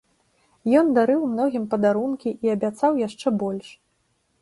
Ён дарыў многім падарункі і абяцаў яшчэ больш.